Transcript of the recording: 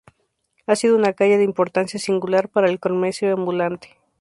Ha sido una calle de importancia singular para el comercio ambulante.